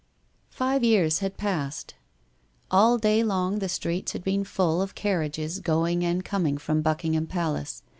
Five years had passed. All day long the streets had been full of carriages going and coming from Buckingham Palace.